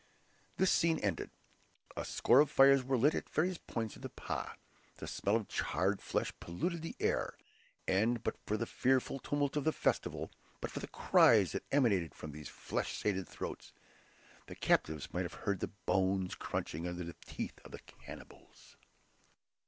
This scene ended, a score of fires were lit at various points of the "pah"; the smell of charred flesh polluted the air; and but for the fearful tumult of the festival, but for the cries that emanated from these flesh sated throats, the captives might have heard the bones crunching under the teeth of the cannibals.